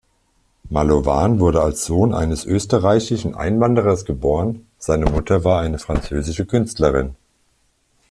Mallowan wurde als Sohn eines österreichischen Einwanderers geboren, seine Mutter war eine französische Künstlerin.